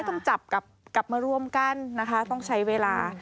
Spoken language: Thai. ต้องจับกลับมารวมกันนะคะต้องใช้เวลา